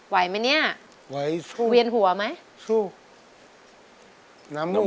ไหวไหมเนี่ยวิวเวียนหัวไหมสู้ไหวสู้